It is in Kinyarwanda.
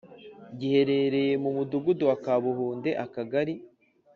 Giherereye Mu Mudugudu Wa Kabuhunde Akagari